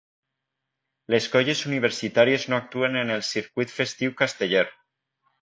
Les colles universitàries no actuen en el circuit festiu casteller.